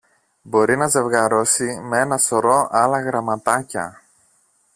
Μπορεί να ζευγαρώσει με ένα σωρό άλλα γραμματάκια